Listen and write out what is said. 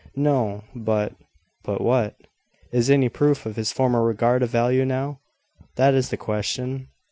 "No: but " "But what?" "Is any proof of his former regard of value now? That is the question.